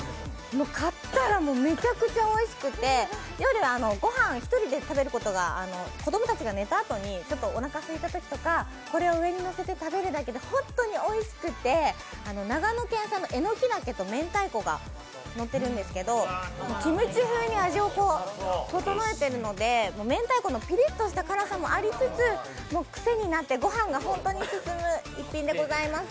買ったらもうめちゃくちゃおいしくて夜、ご飯を１人で食べることが、夜子供たちが寝たあととか、ちょっとおなかすいたときとかこれを上にのせて食べるだけで本当においしくて、長野県産のエノキダケと明太子がのってるんですけど、キムチ風に味を調えてるので明太子のピリッとした味もありつつご飯が本当に進む、１品でございます。